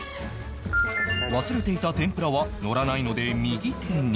忘れていた天ぷらはのらないので右手に